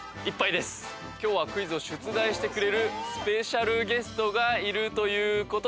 今日はクイズを出題してくれるスペシャルゲストがいるということで。